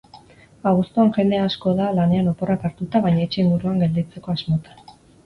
Abuztuan jende asko da lanean oporrak hartuta baina etxe inguruan gelditzeko asmotan.